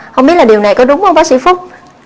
không biết là điều này có đúng không bác sĩ phúc